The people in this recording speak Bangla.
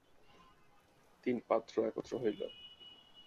তিন পাত্র একত্র হইল।